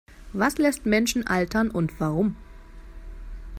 Was lässt Menschen altern und warum?